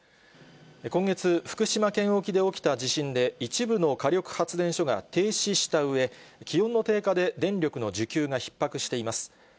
今月、福島県沖で起きた地震で、一部の火力発電所が停止したうえ、気温の低下で電力の需給がひっ迫しています。